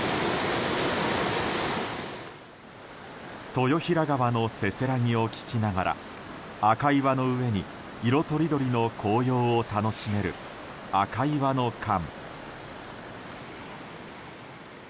豊平川のせせらぎを聞きながら赤岩の上に色とりどりの紅葉を楽しめる赤岩の澗。